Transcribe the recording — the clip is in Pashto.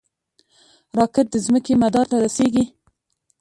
راکټ د ځمکې مدار ته رسېږي